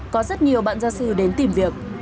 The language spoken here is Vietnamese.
có rất nhiều bạn gia sư đến tìm việc